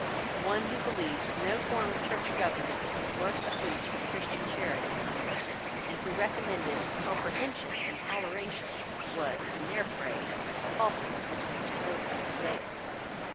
One who believed no form of church government to be worth a breach of Christian charity, and who recommended comprehension and toleration, was in their phrase, halting between Jehovah and Baal.